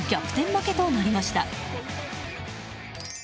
負けとなりました。